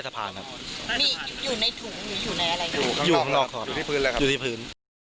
อยู่ข้างนอกอยู่ที่พื้น